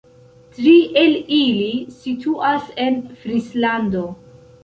Tri el ili situas en Frislando.